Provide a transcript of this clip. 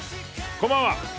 こんばんは。